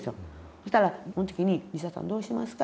そしたらその時に「西田さんどうしますか」